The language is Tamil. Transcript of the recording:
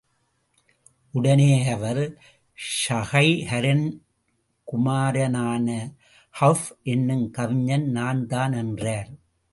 உடனே அவர், ஸுஹைரின் குமாரனான கஃப் என்னும் கவிஞன் நான்தான்! என்றார்.